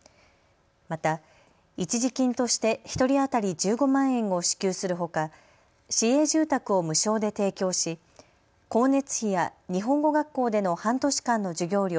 また一時金として１人当たり１５万円を支給するほか市営住宅を無償で提供し光熱費や日本語学校での半年間の授業料